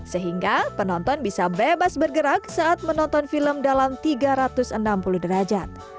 sehingga penonton bisa bebas bergerak saat menonton film dalam tiga ratus enam puluh derajat